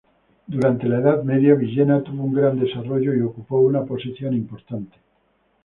Durante la Edad Media Villena tuvo un gran desarrollo y ocupó una posición importante.